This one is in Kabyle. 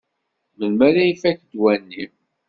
Melmi ara ifak ddwa-nni?